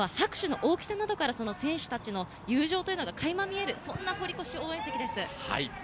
あとは拍手の大きさなどから選手たちの友情というのがかいま見える、そんな堀越応援席です。